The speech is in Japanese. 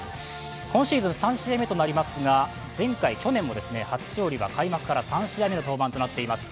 今シーズン３試合目となりますが前回、去年も初勝利は開幕から３試合目の登板となっています。